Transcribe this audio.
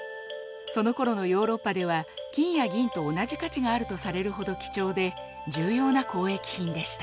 そのころのヨーロッパでは金や銀と同じ価値があるとされるほど貴重で重要な交易品でした。